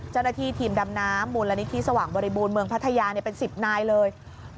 เจ้าหน้าที่ทีมดำน้ำมูลนิธิสว่างบริบูรณ์เมืองพัทยาเป็น๑๐นายเลย